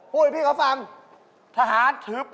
คำง่ายอย่างนี้